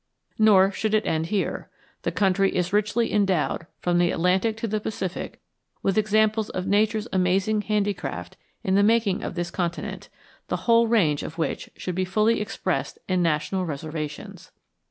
Nor should it end here. The country is richly endowed, from the Atlantic to the Pacific, with examples of Nature's amazing handicraft in the making of this continent, the whole range of which should be fully expressed in national reservations.